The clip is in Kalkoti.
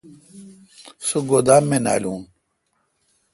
سو گودام می نالون۔